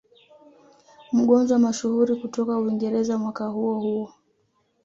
Mgonjwa mashuhuri kutoka Uingereza mwaka huo huo